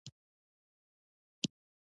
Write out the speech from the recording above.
• پوهه هغه خزانه ده چې غله یې نشي غلا کولای.